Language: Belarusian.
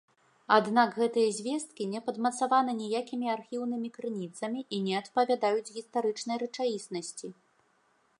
Аднак гэтыя звесткі не падмацаваны ніякімі архіўнымі крыніцамі і не адпавядаюць гістарычнай рэчаіснасці.